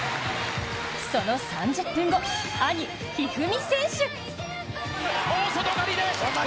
その３０分後、兄・一二三選手。